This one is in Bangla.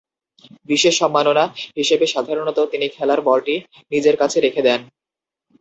বিশেষ সম্মাননা হিসেবে সাধারণতঃ তিনি খেলার বলটি নিজের কাছে রেখে দেন।